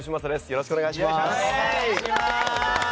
よろしくお願いします！